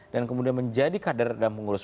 dan kemudian menjadi kader dan pengurus